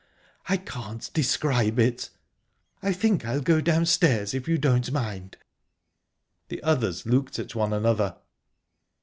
I can't describe it ...I think I'll go downstairs, if you don't mind." The others looked at one another.